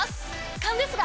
勘ですが！